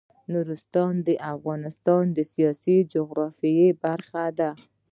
نورستان د افغانستان د سیاسي جغرافیه برخه ده.